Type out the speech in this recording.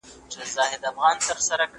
زه هره ورځ انځورونه رسم کوم